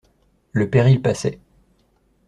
Le péril passait.